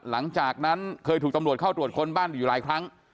หลังจากนั้นเคยถูกตำรวจเข้าตรวจค้นบ้านอยู่หลายครั้ง